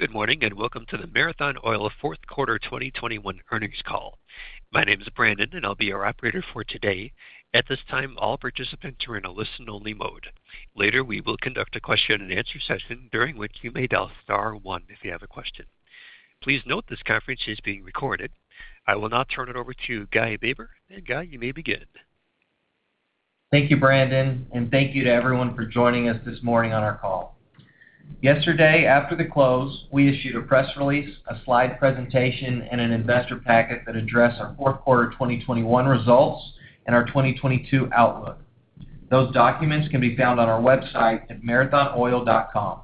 Good morning, and welcome to the Marathon Oil Q4 2021 Earnings Call. My name is Brandon, and I'll be your operator for today. At this time, all participants are in a listen-only mode. Later, we will conduct a Q&A session, during which you may dial star one if you have a question. Please note this conference is being recorded. I will now turn it over to Guy Baber. Guy, you may begin. Thank you, Brandon, and thank you to everyone for joining us this morning on our call. Yesterday, after the close, we issued a press release, a slide presentation, and an investor packet that address our Q4 2021 results and our 2022 outlook. Those documents can be found on our website at marathonoil.com.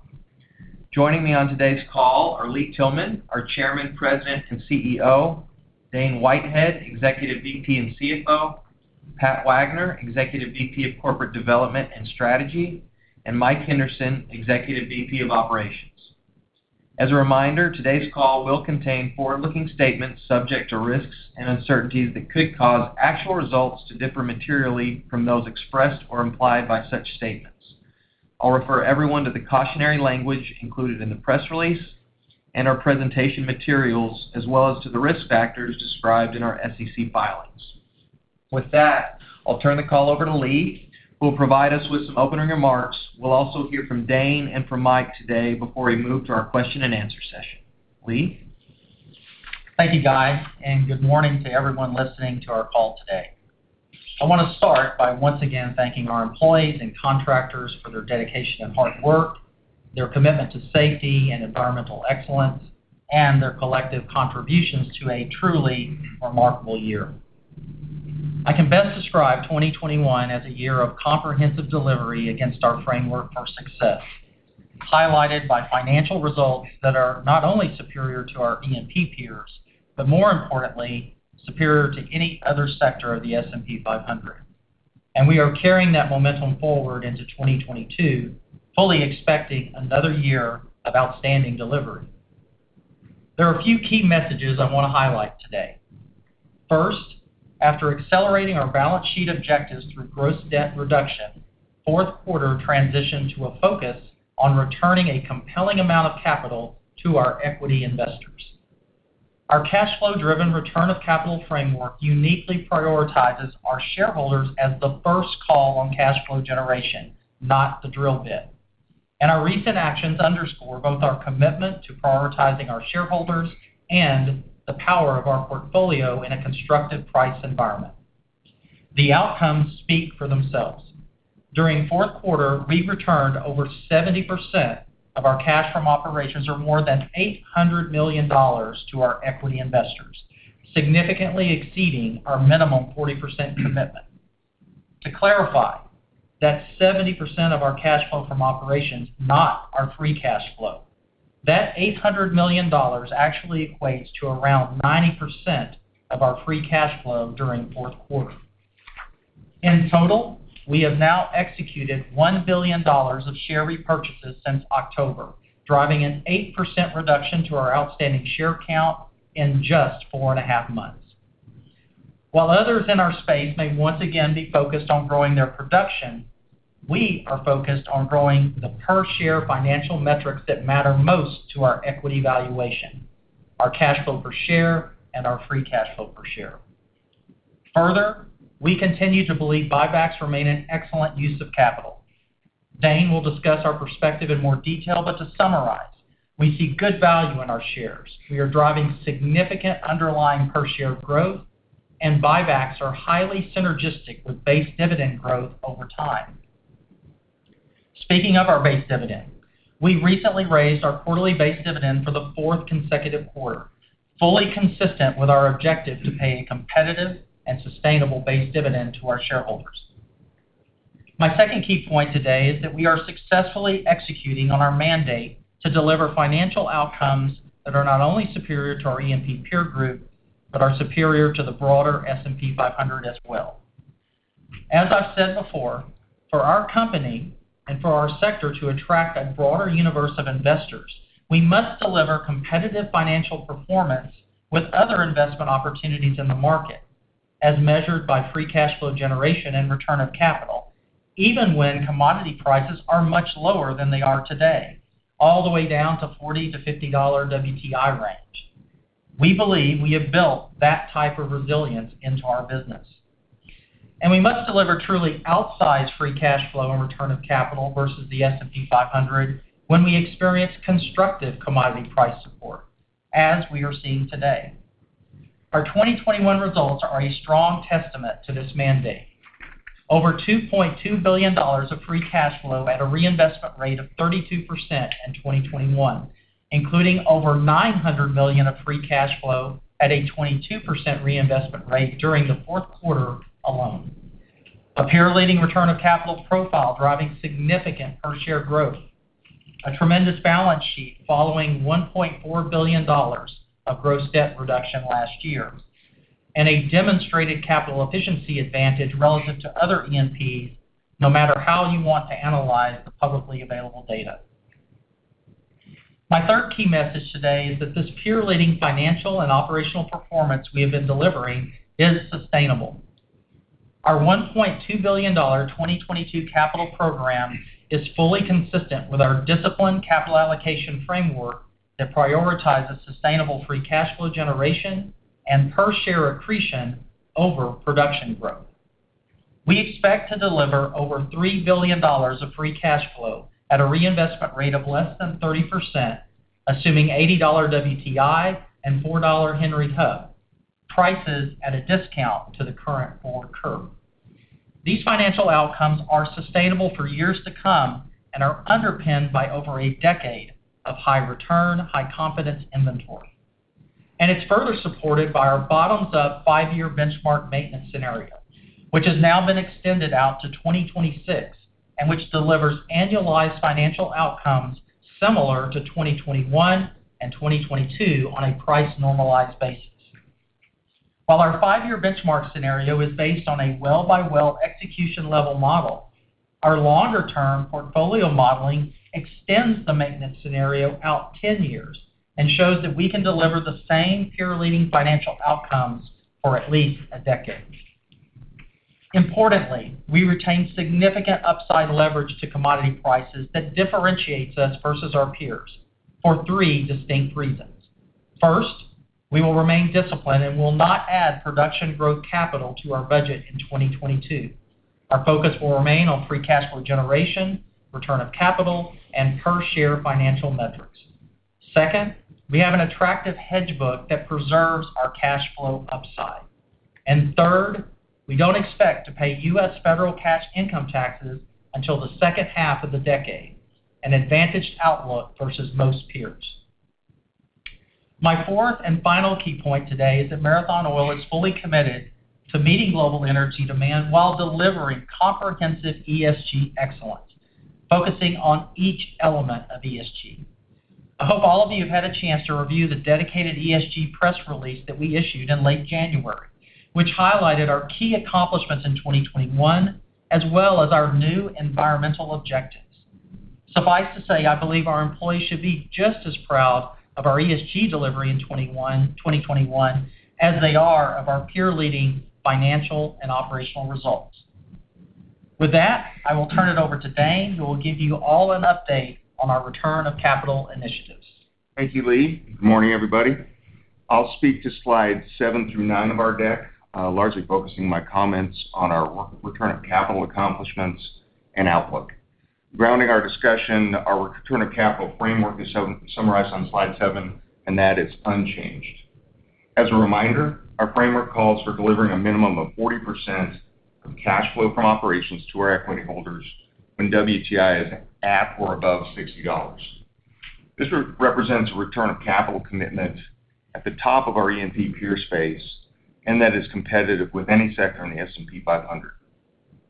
Joining me on today's call are Lee M. Tillman, our Chairman, President, and CEO, Dane Whitehead, Executive VP and CFO, Pat Wagner, Executive VP of Corporate Development and Strategy, and Mike Henderson, Executive VP of Operations. As a reminder, today's call will contain forward-looking statements subject to risks and uncertainties that could cause actual results to differ materially from those expressed or implied by such statements. I'll refer everyone to the cautionary language included in the press release and our presentation materials, as well as to the risk factors described in our SEC filings. With that, I'll turn the call over to Lee, who will provide us with some opening remarks. We'll also hear from Dane and from Mike today before we move to our Q&A session. Lee? Thank you, Guy, and good morning to everyone listening to our call today. I wanna start by once again thanking our employees and contractors for their dedication and hard work, their commitment to safety and environmental excellence, and their collective contributions to a truly remarkable year. I can best describe 2021 as a year of comprehensive delivery against our framework for success, highlighted by financial results that are not only superior to our E&P peers, but more importantly, superior to any other sector of the S&P 500. We are carrying that momentum forward into 2022, fully expecting another year of outstanding delivery. There are a few key messages I wanna highlight today. First, after accelerating our balance sheet objectives through gross debt reduction, Q4 transitioned to a focus on returning a compelling amount of capital to our equity investors. Our cash-flow driven return of capital framework uniquely prioritizes our shareholders as the first call on cash flow generation, not the drill bit. Our recent actions underscore both our commitment to prioritizing our shareholders and the power of our portfolio in a constructive price environment. The outcomes speak for themselves. During Q4, we returned over 70% of our cash from operations or more than $800 million to our equity investors, significantly exceeding our minimum 40% commitment. To clarify, that's 70% of our cash flow from operations, not our free cash flow. That $800 million actually equates to around 90% of our free cash flow during Q4. In total, we have now executed $1 billion of share repurchases since October, driving an 8% reduction to our outstanding share count in just 4.5 months. While others in our space may once again be focused on growing their production, we are focused on growing the per share financial metrics that matter most to our equity valuation, our cash flow per share, and our free cash flow per share. Further, we continue to believe buybacks remain an excellent use of capital. Dane will discuss our perspective in more detail, but to summarize, we see good value in our shares. We are driving significant underlying per share growth, and buybacks are highly synergistic with base dividend growth over time. Speaking of our base dividend, we recently raised our quarterly base dividend for the fourth consecutive quarter, fully consistent with our objective to pay a competitive and sustainable base dividend to our shareholders. My second key point today is that we are successfully executing on our mandate to deliver financial outcomes that are not only superior to our E&P peer group, but are superior to the broader S&P 500 as well. As I've said before, for our company and for our sector to attract a broader universe of investors, we must deliver competitive financial performance with other investment opportunities in the market, as measured by free cash flow generation and return of capital, even when commodity prices are much lower than they are today, all the way down to $40 to $50 WTI range. We believe we have built that type of resilience into our business, and we must deliver truly outsized free cash flow and return of capital versus the S&P 500 when we experience constructive commodity price support, as we are seeing today. Our 2021 results are a strong testament to this mandate. Over $2.2 billion of free cash flow at a reinvestment rate of 32% in 2021, including over $900 million of free cash flow at a 22% reinvestment rate during the Q4 alone. A peer-leading return of capital profile driving significant per share growth. A tremendous balance sheet following $1.4 billion of gross debt reduction last year, and a demonstrated capital efficiency advantage relative to other E&Ps, no matter how you want to analyze the publicly available data. My third key message today is that this peer-leading financial and operational performance we have been delivering is sustainable. Our $1.2 billion 2022 capital program is fully consistent with our disciplined capital allocation framework that prioritizes sustainable free cash flow generation and per-share accretion over production growth. We expect to deliver over $3 billion of free cash flow at a reinvestment rate of less than 30%, assuming $80 WTI and $4 Henry Hub prices at a discount to the current forward curve. These financial outcomes are sustainable for years to come and are underpinned by over a decade of high return, high confidence inventory. It's further supported by our bottoms-up 5-year benchmark maintenance scenario, which has now been extended out to 2026, and which delivers annualized financial outcomes similar to 2021 and 2022 on a price-normalized basis. While our 5-year benchmark scenario is based on a well-by-well execution level model, our longer-term portfolio modeling extends the maintenance scenario out 10 years and shows that we can deliver the same peer-leading financial outcomes for at least a decade. Importantly, we retain significant upside leverage to commodity prices that differentiates us versus our peers for three distinct reasons. First, we will remain disciplined and will not add production growth capital to our budget in 2022. Our focus will remain on free cash flow generation, return of capital, and per-share financial metrics. Second, we have an attractive hedge book that preserves our cash flow upside. Third, we don't expect to pay U.S. federal cash income taxes until the second half of the decade, an advantaged outlook versus most peers. My fourth and final key point today is that Marathon Oil is fully committed to meeting global energy demand while delivering comprehensive ESG excellence, focusing on each element of ESG. I hope all of you have had a chance to review the dedicated ESG press release that we issued in late January, which highlighted our key accomplishments in 2021, as well as our new environmental objectives. Suffice to say, I believe our employees should be just as proud of our ESG delivery in 2021 as they are of our peer-leading financial and operational results. With that, I will turn it over to Dane, who will give you all an update on our return of capital initiatives. Thank you, Lee. Good morning, everybody. I'll speak to slides seven through nine of our deck, largely focusing my comments on our return of capital accomplishments and outlook. Grounding our discussion, our return of capital framework is summarized on slide seven, and that is unchanged. As a reminder, our framework calls for delivering a minimum of 40% of cash flow from operations to our equity holders when WTI is at or above $60. This represents a return of capital commitment at the top of our E&P peer space, and that is competitive with any sector in the S&P 500.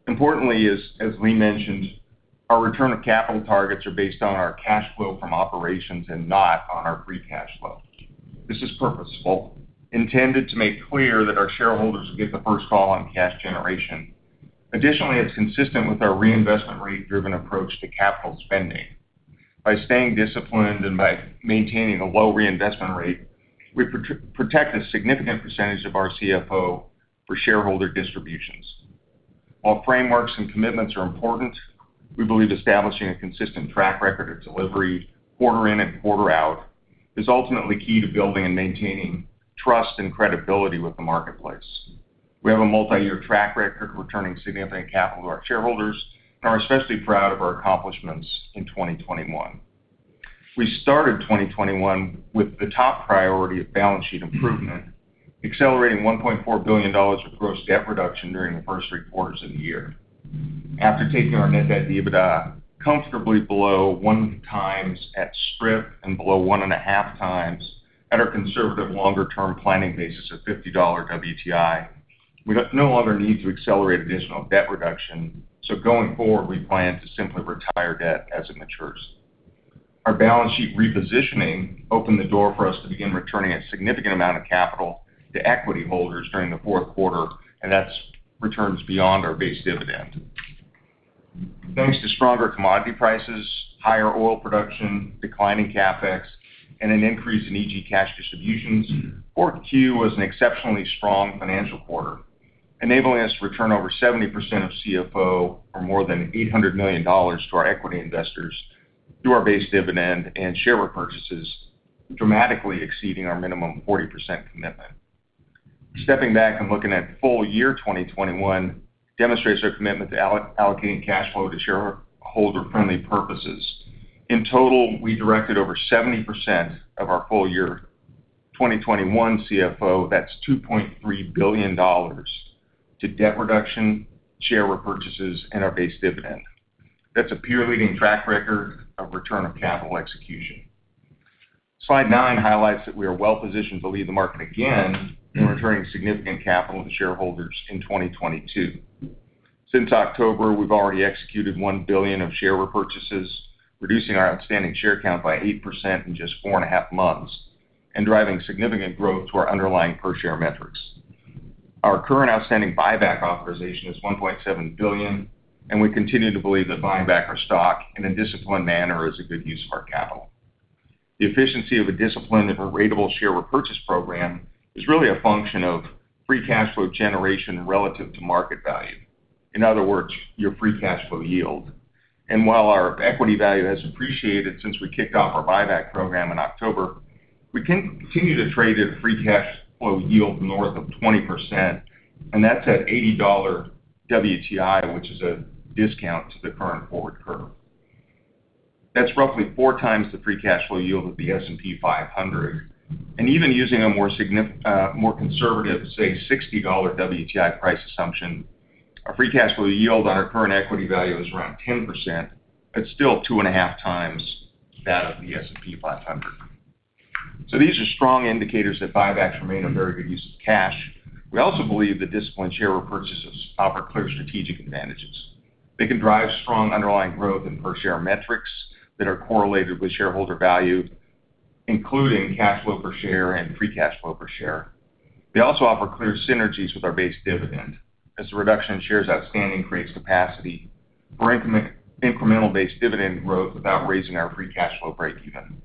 Importantly, as Lee mentioned, our return of capital targets are based on our cash flow from operations and not on our free cash flow. This is purposeful, intended to make clear that our shareholders get the first call on cash generation. Additionally, it's consistent with our reinvestment rate-driven approach to capital spending. By staying disciplined and by maintaining a low reinvestment rate, we protect a significant percentage of our CFO for shareholder distributions. While frameworks and commitments are important, we believe establishing a consistent track record of delivery quarter in and quarter out is ultimately key to building and maintaining trust and credibility with the marketplace. We have a multi-year track record of returning significant capital to our shareholders and are especially proud of our accomplishments in 2021. We started 2021 with the top priority of balance sheet improvement, accelerating $1.4 billion of gross debt reduction during the first three quarters of the year. After taking our net debt to EBITDA comfortably below 1x at strip and below 1.5x at our conservative longer-term planning basis of $50 WTI, we no longer need to accelerate additional debt reduction. Going forward, we plan to simply retire debt as it matures. Our balance sheet repositioning opened the door for us to begin returning a significant amount of capital to equity holders during the Q4, and that's returns beyond our base dividend. Thanks to stronger commodity prices, higher oil production, declining CapEx, and an increase in EG cash distributions, Q4 was an exceptionally strong financial quarter, enabling us to return over 70% of CFO, or more than $800 million to our equity investors through our base dividend and share repurchases, dramatically exceeding our minimum 40% commitment. Stepping back and looking at full year 2021 demonstrates our commitment to allocating cash flow to shareholder-friendly purposes. In total, we directed over 70% of our full year 2021 CFO, that's $2.3 billion, to debt reduction, share repurchases, and our base dividend. That's a peer-leading track record of return of capital execution. Slide nine highlights that we are well positioned to lead the market again in returning significant capital to shareholders in 2022. Since October, we've already executed $1 billion of share repurchases, reducing our outstanding share count by 8% in just 4.5 months and driving significant growth to our underlying per-share metrics. Our current outstanding buyback authorization is $1.7 billion, and we continue to believe that buying back our stock in a disciplined manner is a good use of our capital. The efficiency and discipline of a ratable share repurchase program is really a function of free cash flow generation relative to market value. In other words, your free cash flow yield. While our equity value has appreciated since we kicked off our buyback program in October, we can continue to trade at a free cash flow yield north of 20%, and that's at $80 WTI, which is a discount to the current forward curve. That's roughly four times the free cash flow yield of the S&P 500. Even using a more conservative, say $60 WTI price assumption, our free cash flow yield on our current equity value is around 10%. That's still 2.5x that of the S&P 500. These are strong indicators that buybacks remain a very good use of cash. We also believe that disciplined share repurchases offer clear strategic advantages. They can drive strong underlying growth in per-share metrics that are correlated with shareholder value, including cash flow per share and free cash flow per share. They also offer clear synergies with our base dividend as the reduction in shares outstanding creates capacity for incremental base dividend growth without raising our free cash flow breakeven.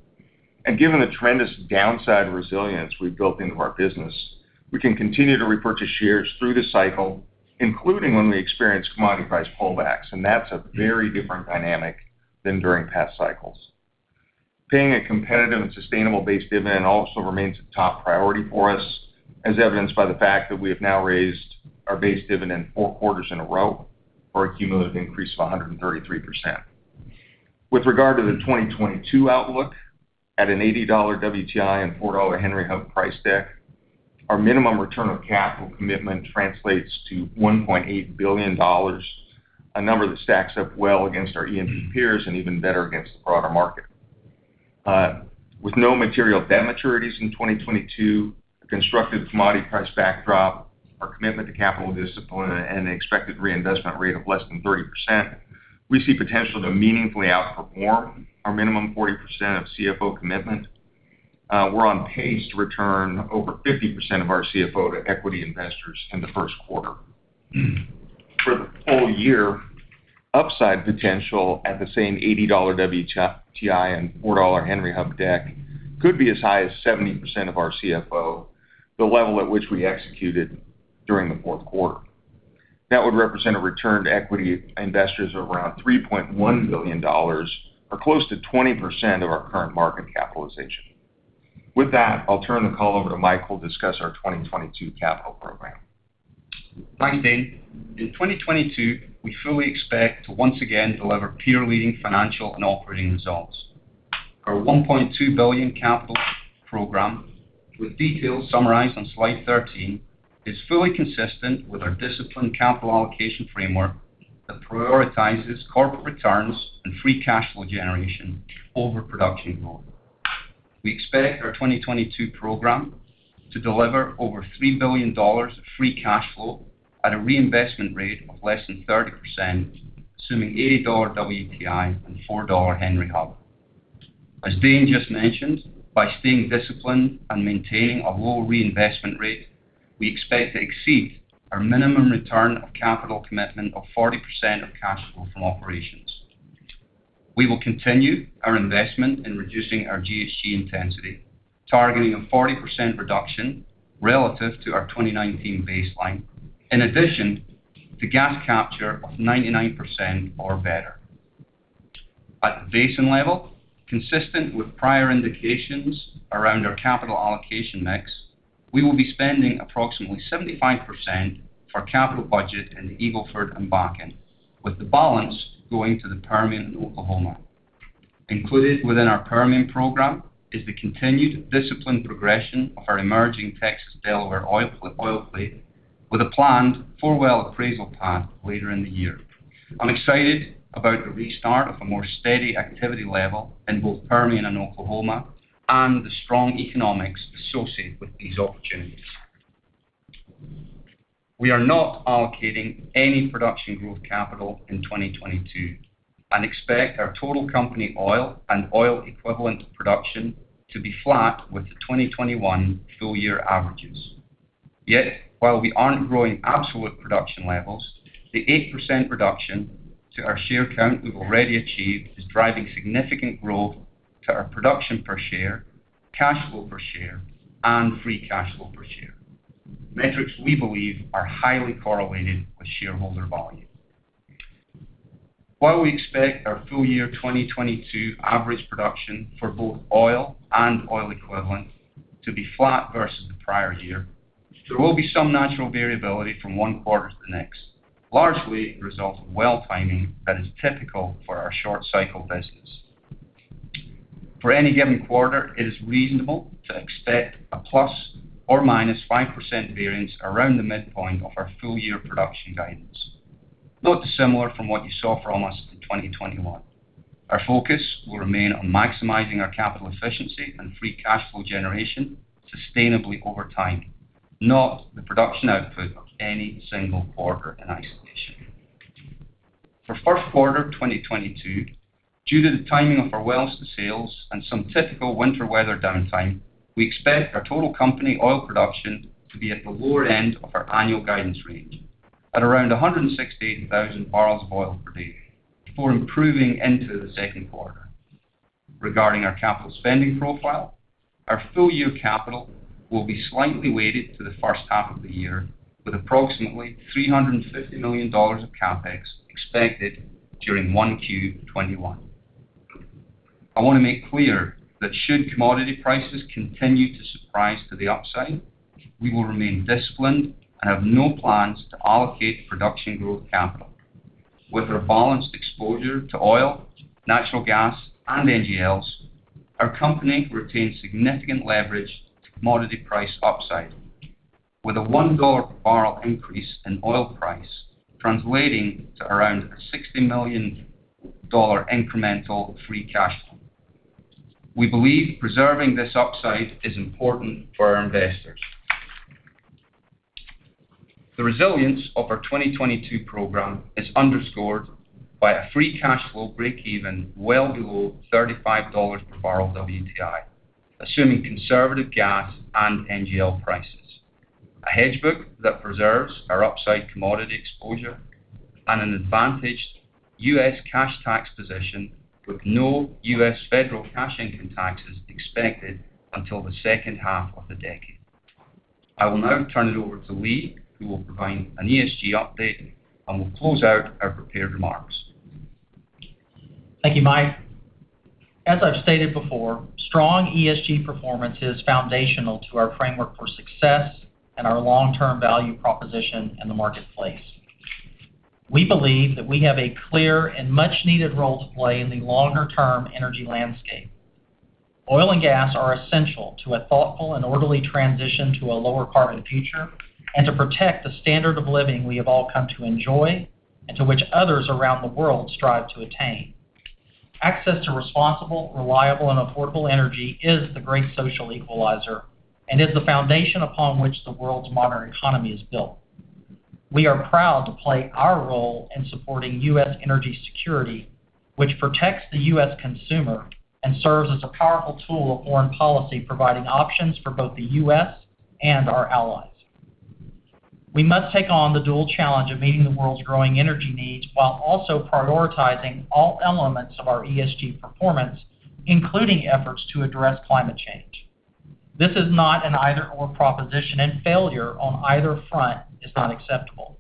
Given the tremendous downside resilience we've built into our business, we can continue to repurchase shares through the cycle, including when we experience commodity price pullbacks, and that's a very different dynamic than during past cycles. Paying a competitive and sustainable base dividend also remains a top priority for us, as evidenced by the fact that we have now raised our base dividend four quarters in a row for a cumulative increase of 133%. With regard to the 2022 outlook at an $80 WTI and $4 Henry Hub price deck, our minimum return on capital commitment translates to $1.8 billion, a number that stacks up well against our E&P peers and even better against the broader market. With no material debt maturities in 2022, a constructive commodity price backdrop, our commitment to capital discipline, and an expected reinvestment rate of less than 30%, we see potential to meaningfully outperform our minimum 40% of CFO commitment. We're on pace to return over 50% of our CFO to equity investors in the Q1. For the full year, upside potential at the same $80 WTI and $4 Henry Hub deck could be as high as 70% of our CFO, the level at which we executed during the Q4. That would represent a return to equity investors of around $3.1 billion or close to 20% of our current market capitalization. With that, I'll turn the call over to Mike, who'll discuss our 2022 capital program. Thank you, Dane. In 2022, we fully expect to once again deliver peer-leading financial and operating results. Our $1.2 billion capital program, with details summarized on slide 13, is fully consistent with our disciplined capital allocation framework that prioritizes corporate returns and free cash flow generation over production growth. We expect our 2022 program to deliver over $3 billion of free cash flow at a reinvestment rate of less than 30%, assuming $80 WTI and $4 Henry Hub. As Dane just mentioned, by staying disciplined and maintaining a low reinvestment rate, we expect to exceed our minimum return of capital commitment of 40% of cash flow from operations. We will continue our investment in reducing our GHG intensity, targeting a 40% reduction relative to our 2019 baseline. In addition, the gas capture of 99% or better. At the basin level, consistent with prior indications around our capital allocation mix, we will be spending approximately 75% for capital budget in the Eagle Ford and Bakken, with the balance going to the Permian and Oklahoma. Included within our Permian program is the continued disciplined progression of our emerging Texas Delaware oil play with a planned four-well appraisal path later in the year. I'm excited about the restart of a more steady activity level in both Permian and Oklahoma, and the strong economics associated with these opportunities. We are not allocating any production growth capital in 2022 and expect our total company oil and oil equivalent production to be flat with the 2021 full year averages. Yet, while we aren't growing absolute production levels, the 8% reduction to our share count we've already achieved is driving significant growth to our production per share, cash flow per share, and free cash flow per share. Metrics we believe are highly correlated with shareholder value. While we expect our full year 2022 average production for both oil and oil equivalent to be flat versus the prior year, there will be some natural variability from one quarter to the next, largely a result of well timing that is typical for our short cycle business. For any given quarter, it is reasonable to expect a ±5% variance around the midpoint of our full year production guidance. Not dissimilar from what you saw from us in 2021. Our focus will remain on maximizing our capital efficiency and free cash flow generation sustainably over time, not the production output of any single quarter in isolation. For Q1 2022, due to the timing of our wells to sales and some typical winter weather downtime, we expect our total company oil production to be at the lower end of our annual guidance range. At around 168,000 barrels of oil per day, before improving into the Q2. Regarding our capital spending profile, our full year capital will be slightly weighted to the first half of the year, with approximately $350 million of CapEx expected during Q1 2021. I wanna make clear that should commodity prices continue to surprise to the upside, we will remain disciplined and have no plans to allocate production growth capital. With our balanced exposure to oil, natural gas, and NGLs, our company retains significant leverage to commodity price upside. With a $1 per barrel increase in oil price translating to around $60 million incremental free cash flow. We believe preserving this upside is important for our investors. The resilience of our 2022 program is underscored by a free cash flow breakeven well below $35 per barrel WTI, assuming conservative gas and NGL prices, a hedge book that preserves our upside commodity exposure, and an advantaged U.S. cash tax position with no U.S. federal cash income taxes expected until the second half of the decade. I will now turn it over to Lee, who will provide an ESG update and will close out our prepared remarks. Thank you, Mike. As I've stated before, strong ESG performance is foundational to our framework for success and our long-term value proposition in the marketplace. We believe that we have a clear and much-needed role to play in the longer-term energy landscape. Oil and gas are essential to a thoughtful and orderly transition to a lower carbon future, and to protect the standard of living we have all come to enjoy, and to which others around the world strive to attain. Access to responsible, reliable, and affordable energy is the great social equalizer, and is the foundation upon which the world's modern economy is built. We are proud to play our role in supporting U.S. energy security, which protects the U.S. consumer and serves as a powerful tool of foreign policy, providing options for both the U.S. and our allies. We must take on the dual challenge of meeting the world's growing energy needs while also prioritizing all elements of our ESG performance, including efforts to address climate change. This is not an either/or proposition, and failure on either front is not acceptable.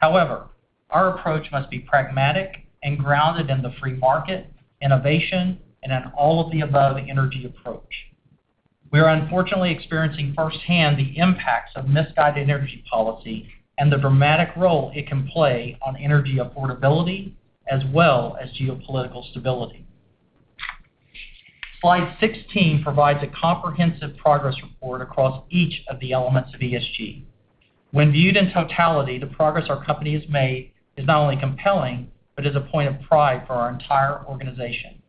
However, our approach must be pragmatic and grounded in the free market, innovation, and an all-of-the-above energy approach. We are unfortunately experiencing firsthand the impacts of misguided energy policy and the dramatic role it can play on energy affordability as well as geopolitical stability. Slide 16 provides a comprehensive progress report across each of the elements of ESG. When viewed in totality, the progress our company has made is not only compelling but is a point of pride for our entire organization.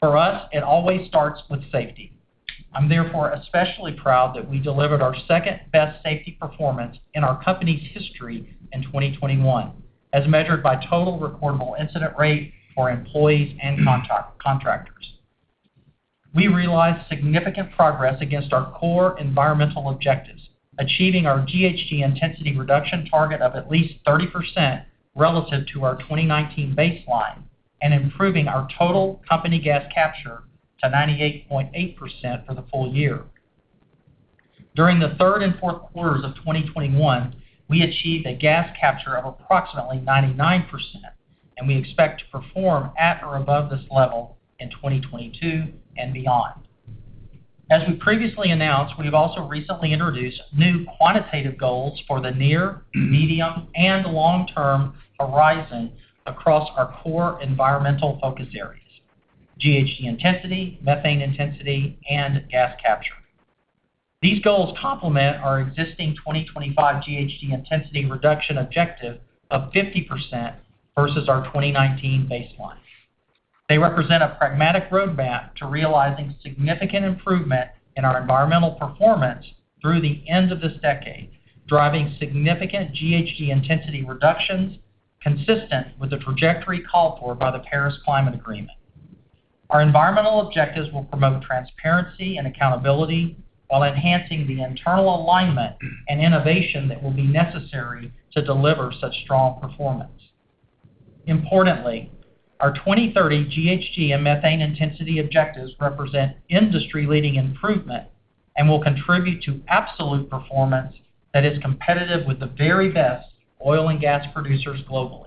For us, it always starts with safety. I'm therefore especially proud that we delivered our second-best safety performance in our company's history in 2021, as measured by total recordable incident rate for employees and contractors. We realized significant progress against our core environmental objectives, achieving our GHG intensity reduction target of at least 30% relative to our 2019 baseline, and improving our total company gas capture to 98.8% for the full year. During the Q3 and Q4 of 2021, we achieved a gas capture of approximately 99%, and we expect to perform at or above this level in 2022 and beyond. As we previously announced, we have also recently introduced new quantitative goals for the near, medium, and long-term horizon across our core environmental focus areas, GHG intensity, methane intensity, and gas capture. These goals complement our existing 2025 GHG intensity reduction objective of 50% versus our 2019 baseline. They represent a pragmatic roadmap to realizing significant improvement in our environmental performance through the end of this decade, driving significant GHG intensity reductions consistent with the trajectory called for by the Paris Climate Agreement. Our environmental objectives will promote transparency and accountability while enhancing the internal alignment and innovation that will be necessary to deliver such strong performance. Importantly, our 2030 GHG and methane intensity objectives represent industry-leading improvement and will contribute to absolute performance that is competitive with the very best oil and gas producers globally.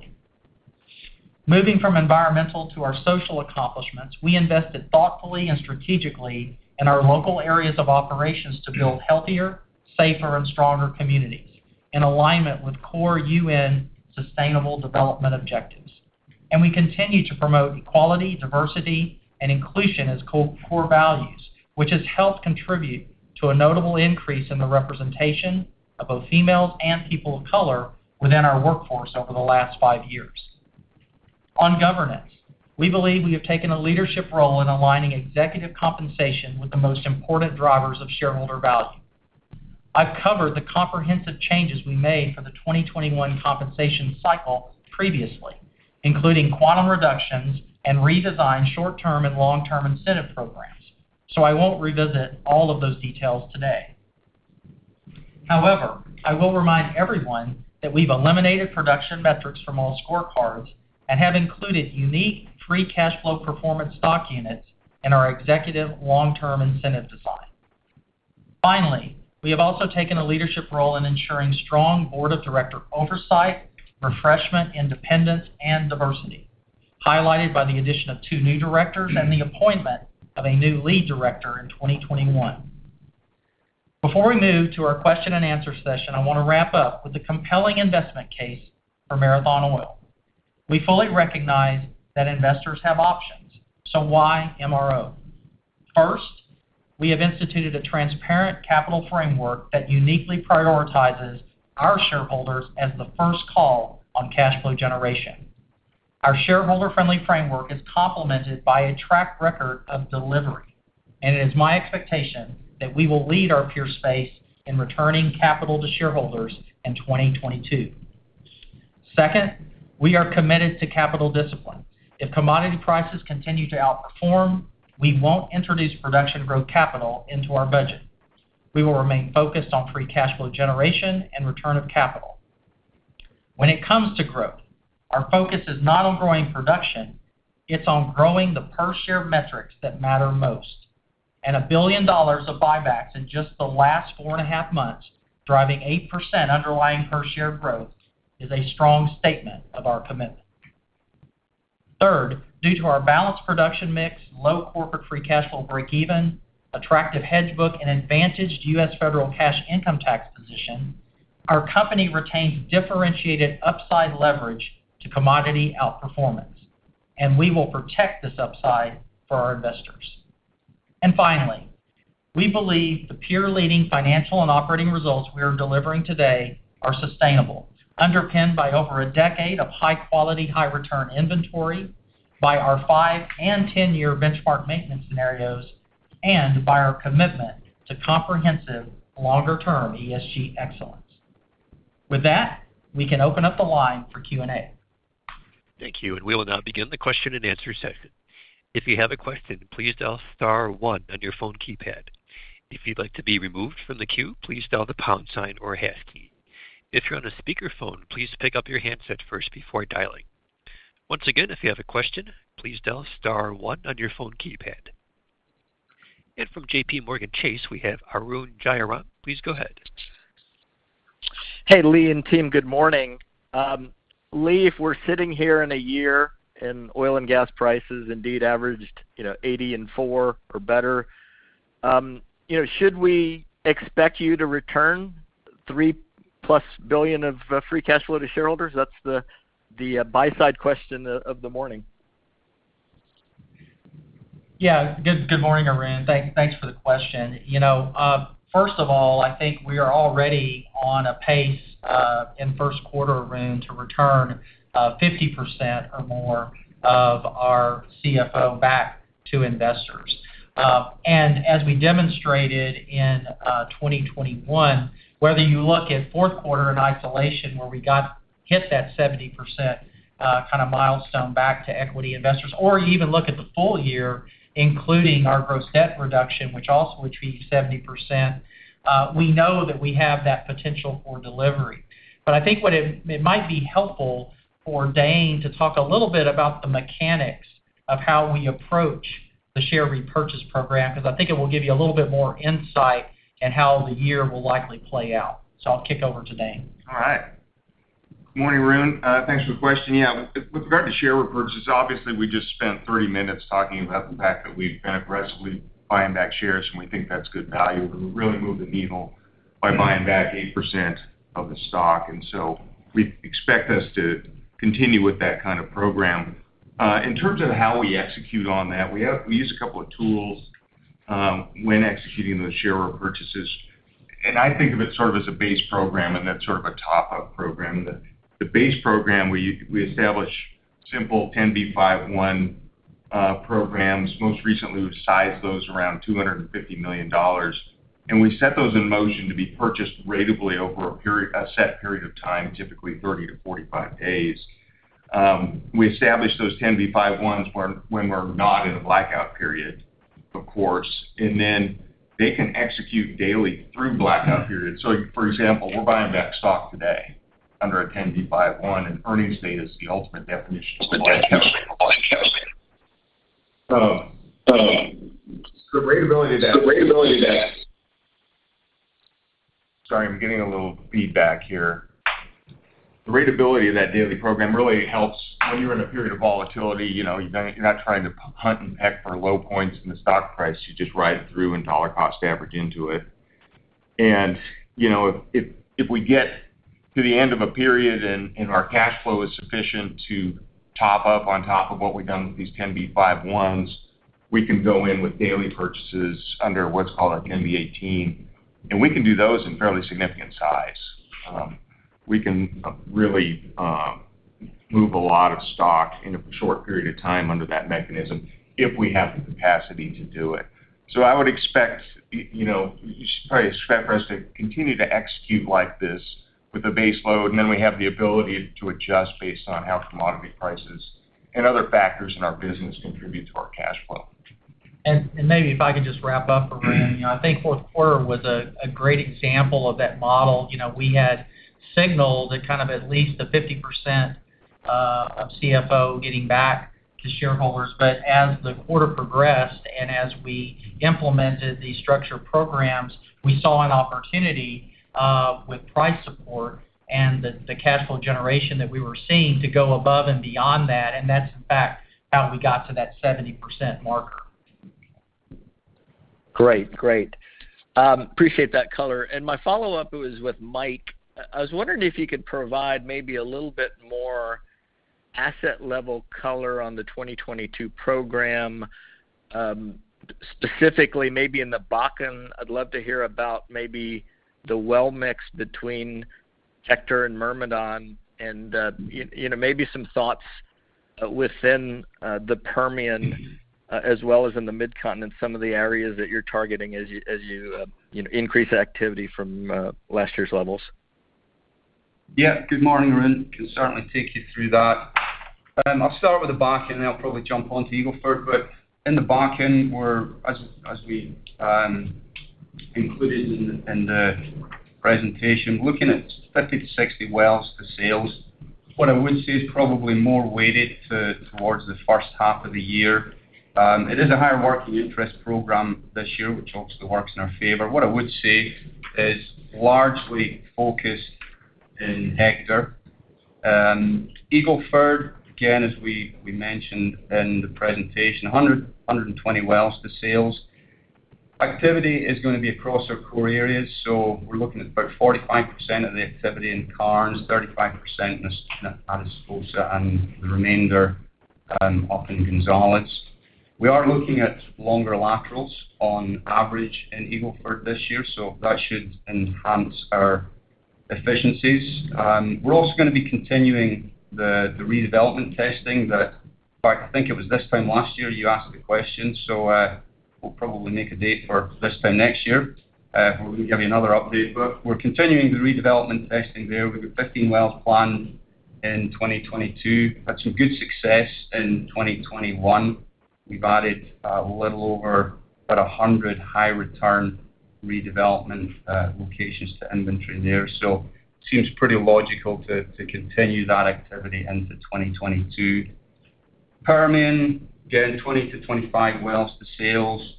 Moving from environmental to our social accomplishments, we invested thoughtfully and strategically in our local areas of operations to build healthier, safer, and stronger communities in alignment with core UN sustainable development objectives. We continue to promote equality, diversity, and inclusion as core values, which has helped contribute to a notable increase in the representation of both females and people of color within our workforce over the last five years. On governance, we believe we have taken a leadership role in aligning executive compensation with the most important drivers of shareholder value. I've covered the comprehensive changes we made for the 2021 compensation cycle previously. Including quantum reductions and redesigned short-term and long-term incentive programs. I won't revisit all of those details today. However, I will remind everyone that we've eliminated production metrics from all scorecards and have included unique free cash flow performance stock units in our executive long-term incentive design. Finally, we have also taken a leadership role in ensuring strong board of directors oversight, refreshment, independence, and diversity, highlighted by the addition of 2 new directors and the appointment of a new lead director in 2021. Before we move to our Q&A session, I want to wrap up with a compelling investment case for Marathon Oil. We fully recognize that investors have options. Why MRO? First, we have instituted a transparent capital framework that uniquely prioritizes our shareholders as the first call on cash flow generation. Our shareholder-friendly framework is complemented by a track record of delivery, and it is my expectation that we will lead our peer space in returning capital to shareholders in 2022. Second, we are committed to capital discipline. If commodity prices continue to outperform, we won't introduce production growth capital into our budget. We will remain focused on free cash flow generation and return of capital. When it comes to growth, our focus is not on growing production, it's on growing the per-share metrics that matter most. $1 billion of buybacks in just the last 4.5 months, driving 8% underlying per-share growth, is a strong statement of our commitment. Third, due to our balanced production mix, low corporate free cash flow breakeven, attractive hedge book, and advantaged U.S. federal cash income tax position, our company retains differentiated upside leverage to commodity outperformance, and we will protect this upside for our investors. Finally, we believe the peer-leading financial and operating results we are delivering today are sustainable, underpinned by over a decade of high-quality, high-return inventory, by our five and 10 year benchmark maintenance scenarios, and by our commitment to comprehensive longer-term ESG excellence. With that, we can open up the line for Q&A. Thank you. We will now begin the Q&A session. If you have a question, please dial star one on your phone keypad. If you'd like to be removed from the queue, please dial the pound sign or hash key. If you're on a speakerphone, please pick up your handset first before dialing. Once again, if you have a question, please dial star one on your phone keypad. From JPMorgan Chase, we have Arun Jayaram. Please go ahead. Hey, Lee and team. Good morning. Lee, if we're sitting here in a year and oil and gas prices indeed averaged, you know, $80 and $4 or better, you know, should we expect you to return $3+ billion of free cash flow to shareholders? That's the buy-side question of the morning. Good morning, Arun. Thanks for the question. You know, first of all, I think we are already on a pace in Q1, Arun, to return 50% or more of our CFO back to investors. As we demonstrated in 2021, whether you look at Q4 in isolation where we hit that 70% kind of milestone back to equity investors, or you even look at the full year, including our gross debt reduction, which also returned 70%, we know that we have that potential for delivery. I think it might be helpful for Dane to talk a little bit about the mechanics of how we approach the share repurchase program, because I think it will give you a little bit more insight into how the year will likely play out. I'll kick over to Dane. All right. Good morning, Arun. Thanks for the question. Yeah. With regard to share repurchases, obviously, we just spent 30 minutes talking about the fact that we've been aggressively buying back shares, and we think that's good value. We really moved the needle by buying back 8% of the stock. We expect to continue with that kind of program. In terms of how we execute on that, we use a couple of tools when executing those share repurchases. I think of it sort of as a base program, and then sort of a top-up program. The base program, we establish simple 10b5-1 programs. Most recently, we've sized those around $250 million, and we set those in motion to be purchased ratably over a set period of time, typically 30 to 45 days. We establish those 10b5-1s when we're not in a blackout period, of course, and then they can execute daily through blackout periods. For example, we're buying back stock today under a 10b5-1, and earnings date is the ultimate definition of a blackout period. Sorry, I'm getting a little feedback here. The ratability of that daily program really helps when you're in a period of volatility. You know, you're not trying to hunt and peck for low points in the stock price. You just ride it through and dollar cost average into it. You know, if we get to the end of a period and our cash flow is sufficient to top up on top of what we've done with these 10b5-1s, we can go in with daily purchases under what's called our 10b-18, and we can do those in fairly significant size. We can really move a lot of stock in a short period of time under that mechanism if we have the capacity to do it. I would expect you know, you should probably expect for us to continue to execute like this with the base load, and then we have the ability to adjust based on how commodity prices and other factors in our business contribute to our cash flow. Maybe if I could just wrap up, Arun. You know, I think Q4 was a great example of that model. You know, we had signaled a kind of at least a 50% of CFO getting back to shareholders. As the quarter progressed and as we implemented these structured programs, we saw an opportunity with price support and the cash flow generation that we were seeing to go above and beyond that, and that's in fact how we got to that 70% marker. Great. Appreciate that color. My follow-up was with Mike. I was wondering if you could provide maybe a little bit more asset level color on the 2022 program, specifically maybe in the Bakken. I'd love to hear about maybe the well mix between Hector and Myrmidon and, you know, maybe some thoughts within the Permian, as well as in the Midcontinent, some of the areas that you're targeting as you increase activity from last year's levels. Yeah. Good morning, Arun. Can certainly take you through that. I'll start with the Bakken, then I'll probably jump on to Eagle Ford. In the Bakken we're as we included in the presentation, looking at 50 to 60 wells to sales. What I would say is probably more weighted towards the first half of the year. It is a higher working interest program this year, which obviously works in our favor. What I would say is largely focused in Hector. Eagle Ford, again, as we mentioned in the presentation, 120 wells to sales. Activity is gonna be across our core areas, so we're looking at about 45% of the activity in Karnes, 35% in DeWitt-Atascosa, and the remainder up in Gonzales. We are looking at longer laterals on average in Eagle Ford this year, so that should enhance our efficiencies. We're also gonna be continuing the redevelopment testing that, in fact, I think it was this time last year you asked the question, so we'll probably make a date for this time next year, where we can give you another update. We're continuing the redevelopment testing there with a 15-well plan in 2022. Had some good success in 2021. We've added a little over about 100 high return redevelopment locations to inventory there. Seems pretty logical to continue that activity into 2022. Permian, again, 20 to 25 wells to sales.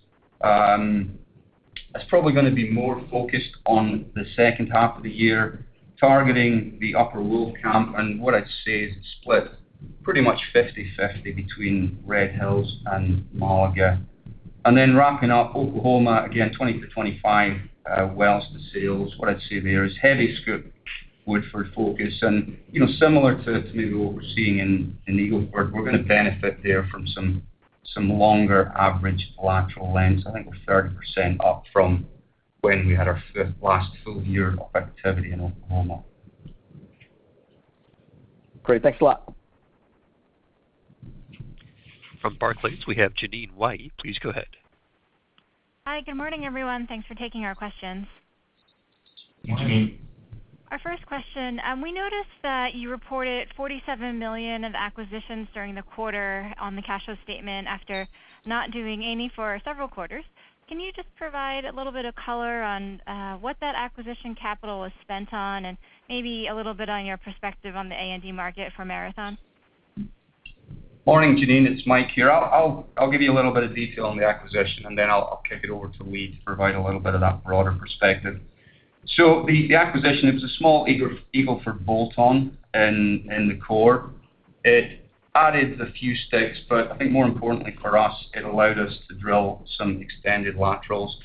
That's probably gonna be more focused on the second half of the year, targeting the Upper Wolfcamp. What I'd say is it's split pretty much 50/50 between Red Hills and Malaga. Wrapping up, Oklahoma, again, 20 to 25 wells to sales. What I'd say there is heavy SCOOP-Woodford focus. You know, similar to what we're seeing in Eagle Ford, we're gonna benefit there from some longer average lateral lengths. I think we're 30% up from when we had our last full year of activity in Oklahoma. Great. Thanks a lot. From Barclays, we have Jeanine Wai. Please go ahead. Hi. Good morning, everyone. Thanks for taking our questions. Good morning. Good morning. Our first question, we noticed that you reported $47 million of acquisitions during the quarter on the cash flow statement after not doing any for several quarters. Can you just provide a little bit of color on what that acquisition capital was spent on, and maybe a little bit on your perspective on the A&D market for Marathon? Morning, Jeanine. It's Mike here. I'll give you a little bit of detail on the acquisition, and then I'll kick it over to Lee to provide a little bit of that broader perspective. The acquisition, it was a small Eagle Ford bolt-on in the core. It added a few sticks, but I think more importantly for us, it allowed us to drill some extended laterals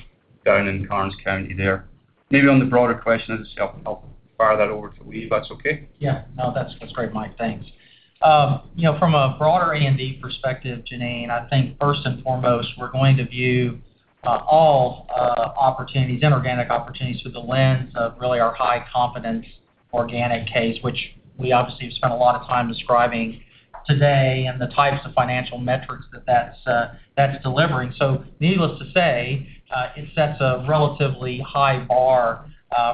down in Karnes County there. Maybe on the broader question, I'll just fire that over to Lee, if that's okay. Yeah. No, that's great, Mike. Thanks. You know, from a broader A&D perspective, Jeanine, I think first and foremost, we're going to view all opportunities, inorganic opportunities through the lens of really our high confidence organic case, which we obviously have spent a lot of time describing today, and the types of financial metrics that that's delivering. Needless to say, it sets a relatively high bar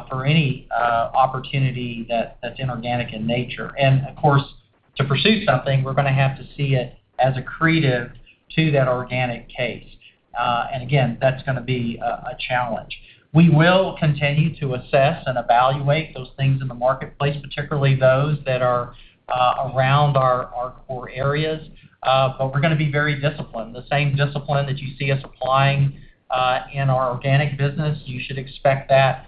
for any opportunity that's inorganic in nature. Of course, to pursue something, we're gonna have to see it as accretive to that organic case. Again, that's gonna be a challenge. We will continue to assess and evaluate those things in the marketplace, particularly those that are around our core areas. We're gonna be very disciplined. The same discipline that you see us applying, in our organic business, you should expect that,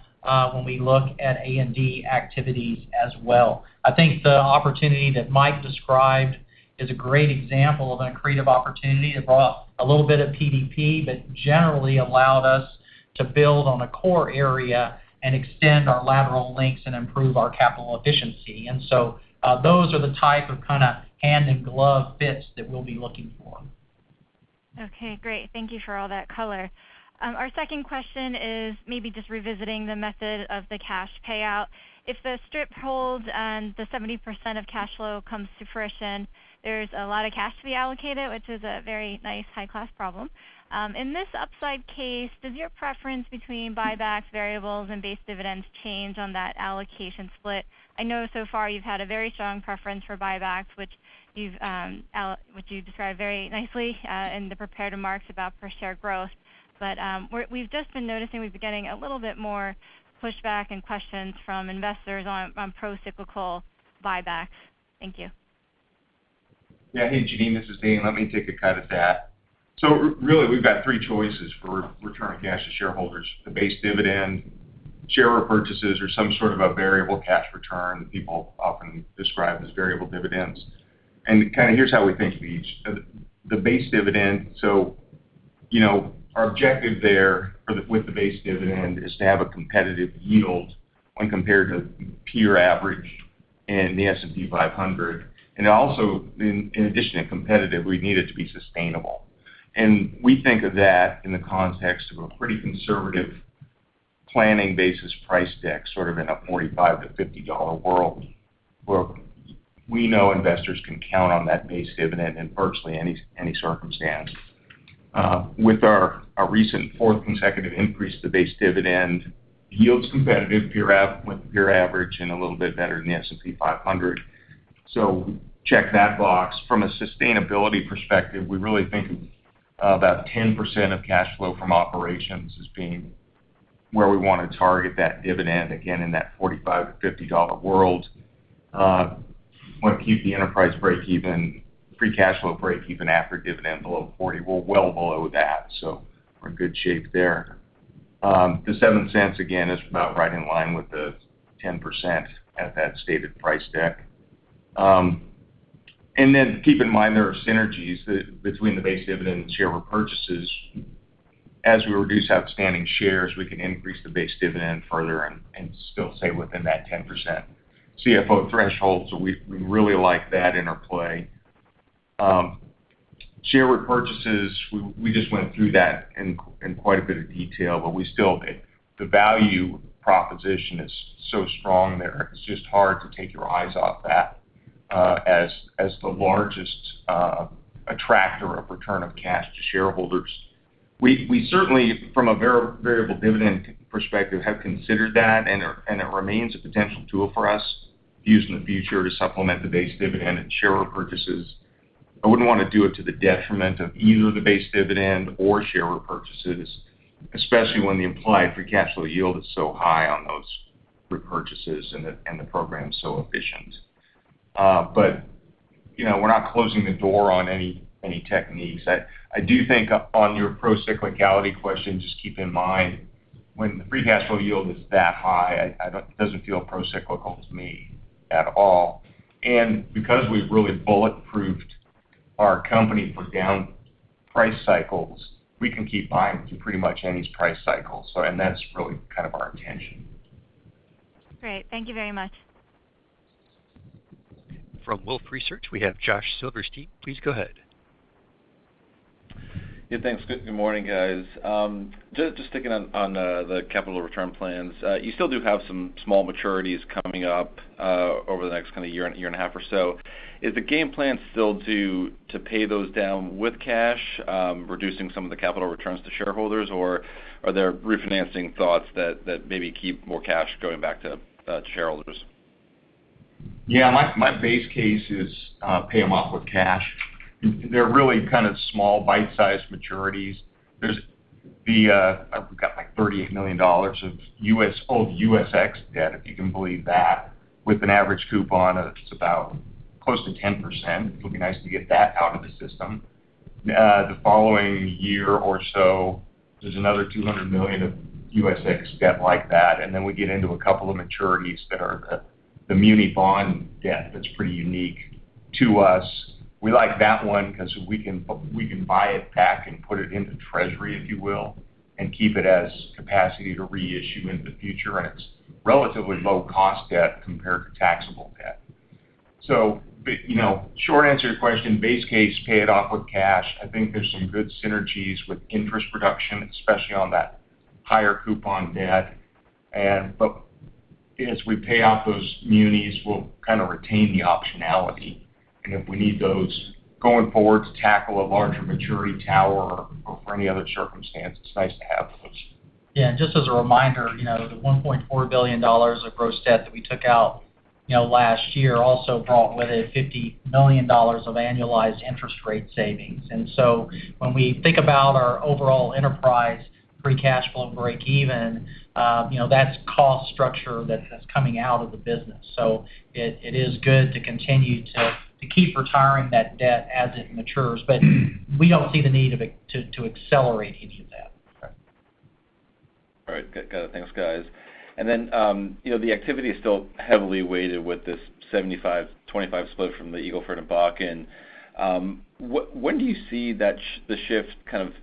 when we look at A&D activities as well. I think the opportunity that Mike described is a great example of an accretive opportunity. It brought a little bit of PDP, but generally allowed us to build on a core area and extend our lateral lengths and improve our capital efficiency. Those are the type of kinda hand-in-glove fits that we'll be looking for. Okay. Great. Thank you for all that color. Our second question is maybe just revisiting the method of the cash payout. If the strip holds and the 70% of cash flow comes to fruition, there's a lot of cash to be allocated, which is a very nice high class problem. In this upside case, does your preference between buybacks, variables, and base dividends change on that allocation split? I know so far you've had a very strong preference for buybacks, which you described very nicely in the prepared remarks about per share growth. We've just been noticing we've been getting a little bit more pushback and questions from investors on procyclical buybacks. Thank you. Yeah. Hey, Jeanine, this is Dane. Let me take a cut at that. Really, we've got three choices for return of cash to shareholders, the base dividend, share repurchases or some sort of a variable cash return that people often describe as variable dividends. Kind of here's how we think of each. The base dividend, you know, our objective there with the base dividend is to have a competitive yield when compared to peer average and the S&P 500. Also in addition to competitive, we need it to be sustainable. We think of that in the context of a pretty conservative planning basis price deck, sort of in a $45 to $50 world where we know investors can count on that base dividend in virtually any circumstance. With our recent fourth consecutive increase to base dividend, yield's competitive with peer average and a little bit better than the S&P 500. Check that box. From a sustainability perspective, we really think about 10% of cash flow from operations as being where we wanna target that dividend again in that $45 to $50 world. Wanna keep the free cash flow break even after dividend below $40. We're well below that, so we're in good shape there. The $0.07 again is about right in line with the 10% at that stated price deck. Keep in mind there are synergies between the base dividend and share repurchases. As we reduce outstanding shares, we can increase the base dividend further and still stay within that 10% CFO threshold. We really like that interplay. Share repurchases, we just went through that in quite a bit of detail, but the value proposition is so strong there. It's just hard to take your eyes off that as the largest attractor of return of cash to shareholders. We certainly from a variable dividend perspective have considered that, and it remains a potential tool for us to use in the future to supplement the base dividend and share repurchases. I wouldn't wanna do it to the detriment of either the base dividend or share repurchases, especially when the implied free cash flow yield is so high on those repurchases and the program's so efficient. You know, we're not closing the door on any techniques. I do think on your procyclicality question, just keep in mind when the free cash flow yield is that high, it doesn't feel procyclical to me at all. Because we've really bulletproofed our company for down price cycles, we can keep buying through pretty much any price cycle. That's really kind of our intention. Great. Thank you very much. From Wolfe Research, we have Josh Silverstein. Please go ahead. Yeah, thanks. Good morning, guys. Just sticking on the capital return plans. You still do have some small maturities coming up over the next kind of year and a half or so. Is the game plan still to pay those down with cash, reducing some of the capital returns to shareholders, or are there refinancing thoughts that maybe keep more cash going back to shareholders? Yeah. My base case is pay them off with cash. They're really kind of small bite-sized maturities. We've got like $38 million of old USX debt, if you can believe that, with an average coupon of just about close to 10%. It'll be nice to get that out of the system. The following year or so, there's another $200 million of USX debt like that, and then we get into a couple of maturities that are the muni bond debt that's pretty unique to us. We like that one because we can buy it back and put it into treasury, if you will, and keep it as capacity to reissue into the future, and it's relatively low cost debt compared to taxable debt. You know, short answer to your question, base case, pay it off with cash. I think there's some good synergies with interest reduction, especially on that higher coupon debt. As we pay off those munis, we'll kind of retain the optionality. If we need those going forward to tackle a larger maturity tower or for any other circumstance, it's nice to have those. Yeah. Just as a reminder, you know, the $1.4 billion of gross debt that we took out, you know, last year also brought with it $50 million of annualized interest rate savings. When we think about our overall enterprise free cash flow break even, you know, that's cost structure that's coming out of the business. It is good to continue to keep retiring that debt as it matures. We don't see the need to accelerate any of that. All right. Got it. Thanks, guys. You know, the activity is still heavily weighted with this 75/25 split from the Eagle Ford and Bakken. When do you see the shift kind of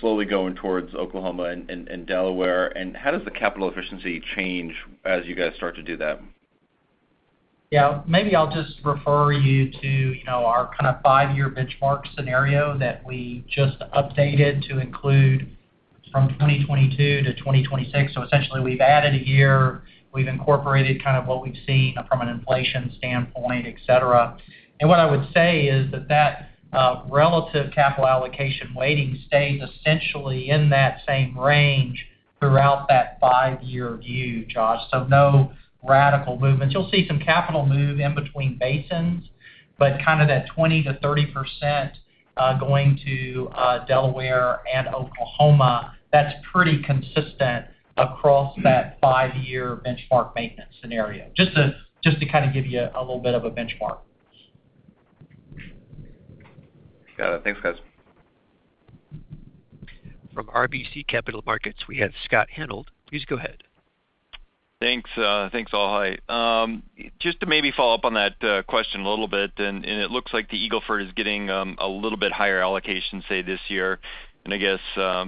slowly going towards Oklahoma and Delaware? How does the capital efficiency change as you guys start to do that? Yeah. Maybe I'll just refer you to, you know, our kind of five-year benchmark scenario that we just updated to include from 2022 to 2026. Essentially we've added a year. We've incorporated kind of what we've seen from an inflation standpoint, et cetera. What I would say is that relative capital allocation weighting stays essentially in that same range throughout that five-year view, Josh. No radical movements. You'll see some capital move in between basins, but kind of that 20% to 30% going to Delaware and Oklahoma, that's pretty consistent across that five-year benchmark maintenance scenario. Just to kind of give you a little bit of a benchmark. Got it. Thanks, guys. From RBC Capital Markets, we have Scott Hanold. Please go ahead. Thanks. Thanks, all. Hi. Just to maybe follow up on that question a little bit, and it looks like the Eagle Ford is getting a little bit higher allocation, say, this year, and I guess,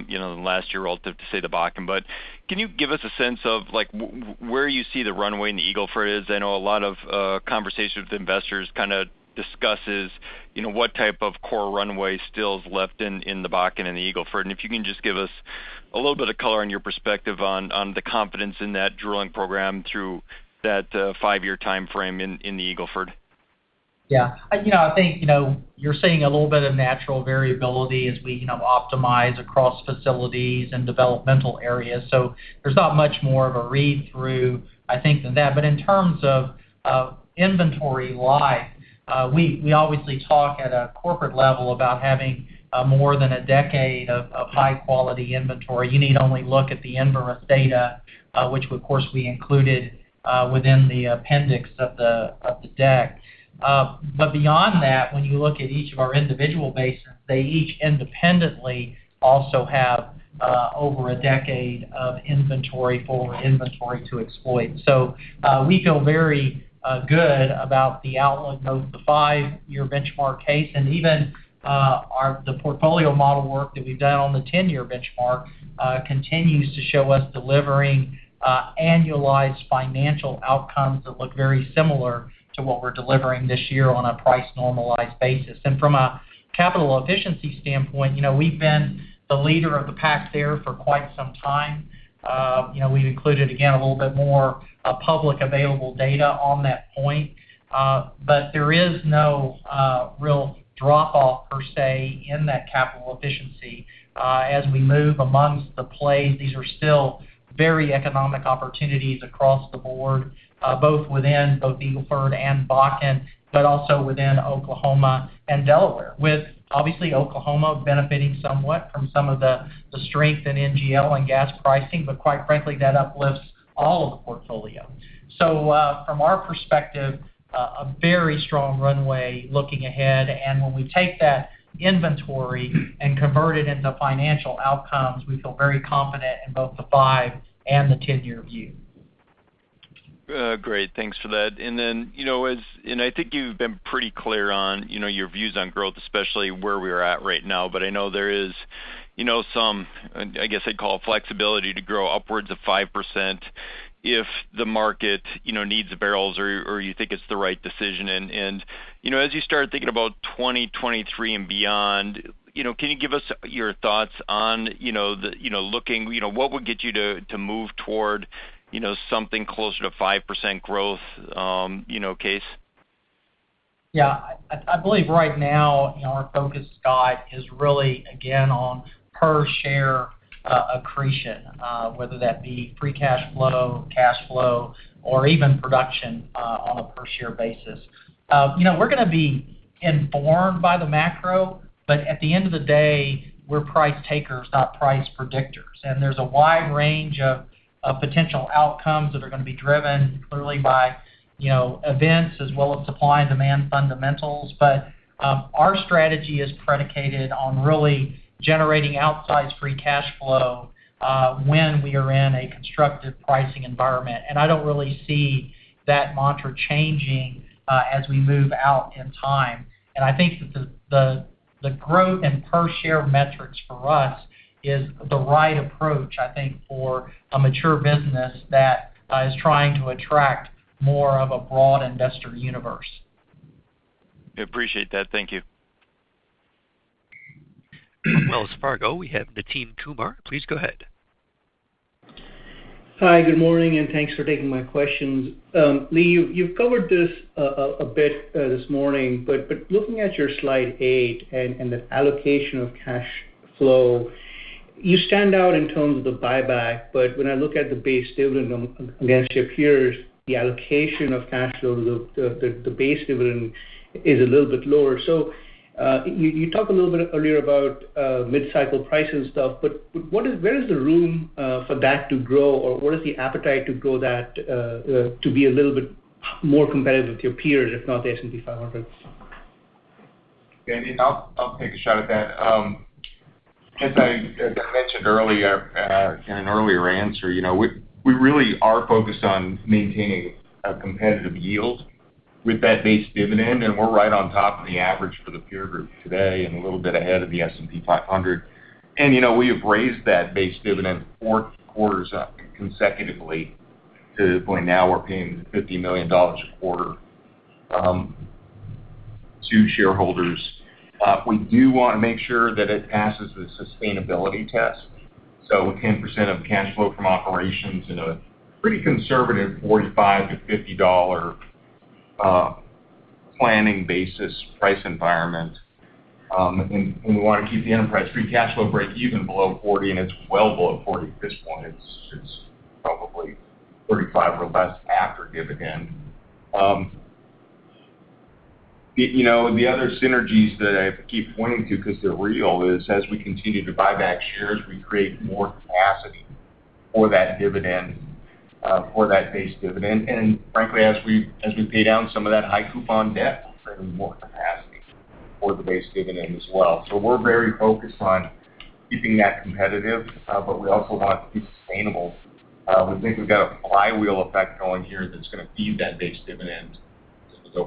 you know, last year relative to, say, the Bakken. But can you give us a sense of like where you see the runway in the Eagle Ford is? I know a lot of conversations with investors kinda discusses, you know, what type of core runway still is left in the Bakken and the Eagle Ford. And if you can just give us a little bit of color on your perspective on the confidence in that drilling program through that five-year timeframe in the Eagle Ford. Yeah. You know, I think, you know, you're seeing a little bit of natural variability as we, you know, optimize across facilities and developmental areas. There's not much more of a read through, I think, than that. In terms of inventory life, we obviously talk at a corporate level about having more than a decade of high-quality inventory. You need only look at the Enverus data, which, of course, we included within the appendix of the deck. But beyond that, when you look at each of our individual basins, they each independently also have over a decade of inventory to exploit. We feel very good about the outlook of the five-year benchmark case, and even the portfolio model work that we've done on the 10-year benchmark continues to show us delivering annualized financial outcomes that look very similar to what we're delivering this year on a price-normalized basis. From a capital efficiency standpoint, you know, we've been the leader of the pack there for quite some time. You know, we've included, again, a little bit more publicly available data on that point. But there is no real drop off per se in that capital efficiency as we move amongst the plays. These are still very economic opportunities across the board, both within Eagle Ford and Bakken, but also within Oklahoma and Delaware, with obviously Oklahoma benefiting somewhat from some of the strength in NGL and gas pricing, but quite frankly, that uplifts all of the portfolio. From our perspective, a very strong runway looking ahead. When we take that inventory and convert it into financial outcomes, we feel very confident in both the five and the 10-year view. Great. Thanks for that. Then, you know, I think you've been pretty clear on, you know, your views on growth, especially where we're at right now, but I know there is, you know, some, I guess I'd call it flexibility to grow upwards of 5% if the market, you know, needs the barrels or you think it's the right decision. You know, as you start thinking about 2023 and beyond, you know, can you give us your thoughts on, you know, what would get you to move toward, you know, something closer to 5% growth, you know, case? Yeah. I believe right now, you know, our focus, Scott, is really again on per share accretion, whether that be free cash flow, cash flow, or even production on a per share basis. You know, we're gonna be informed by the macro, but at the end of the day, we're price takers, not price predictors. There's a wide range of potential outcomes that are gonna be driven clearly by, you know, events as well as supply and demand fundamentals. Our strategy is predicated on really generating outsized free cash flow when we are in a constructive pricing environment. I don't really see that mantra changing as we move out in time. I think that the growth and per share metrics for us is the right approach, I think, for a mature business that is trying to attract more of a broad investor universe. I appreciate that. Thank you. Wells Fargo, we have Nitin Kumar. Please go ahead. Hi, good morning, and thanks for taking my questions. Lee, you've covered this a bit this morning, but looking at your slide 8 and the allocation of cash flow, you stand out in terms of the buyback, but when I look at the base dividend against your peers, the allocation of cash flows, the base dividend is a little bit lower. So, you talked a little bit earlier about mid-cycle price and stuff, but where is the room for that to grow, or what is the appetite to grow that to be a little bit more competitive with your peers, if not the S&P 500? Yeah. I mean, I'll take a shot at that. As I mentioned earlier, in an earlier answer, you know, we really are focused on maintaining a competitive yield with that base dividend, and we're right on top of the average for the peer group today and a little bit ahead of the S&P 500. You know, we have raised that base dividend four quarters up consecutively to the point now we're paying $50 million a quarter to shareholders. We do want to make sure that it passes the sustainability test, so with 10% of cash flow from operations in a pretty conservative $45 to $50 planning basis price environment. We want to keep the enterprise free cash flow breakeven below 40, and it's well below 40 at this point. It's probably 35 or less after dividend. You know, the other synergies that I keep pointing to because they're real is as we continue to buy back shares, we create more capacity for that dividend, for that base dividend. Frankly, as we pay down some of that high coupon debt, we'll create more capacity for the base dividend as well. We're very focused on keeping that competitive, but we also want it to be sustainable. We think we've got a flywheel effect going here that's gonna feed that base dividend as we go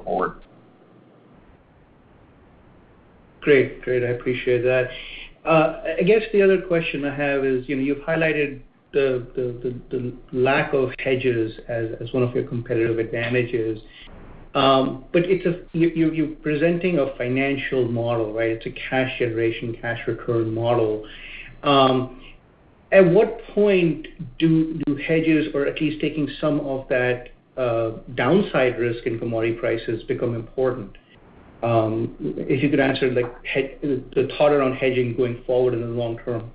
forward. Great. I appreciate that. I guess the other question I have is, you know, you've highlighted the lack of hedges as one of your competitive advantages. You're presenting a financial model, right? It's a cash generation, cash return model. At what point do hedges or at least taking some of that downside risk in commodity prices become important? If you could answer, like, the thought around hedging going forward in the long term.